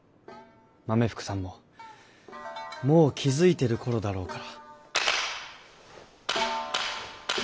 豆福さんももう気付いてるころだろうから。